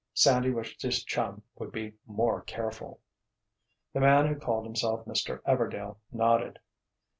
Sandy wished his chum would be more careful. The man who called himself Mr. Everdail nodded.